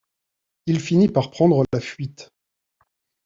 Il finit par prendre la fuite.